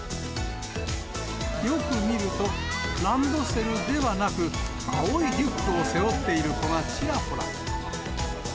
よく見ると、ランドセルではなく、青いリュックを背負っている子がちらほら。